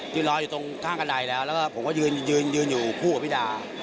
ยืนรออยู่ตรงข้างกระดายแล้วแล้วก็ผมก็ยืนอยู่คู่กับพี่ดา